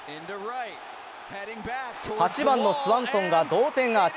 ８番のスワンソンが同点アーチ。